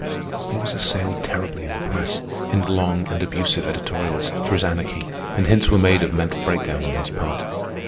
He was assailed terribly in the press, in long and abusive editorials, for his anarchy, and hints were made of mental breakdown on his part.